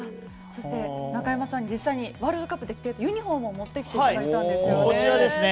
そして中山さん実際にワールドカップで来ていたユニホームを持ってきていただいたんですよね。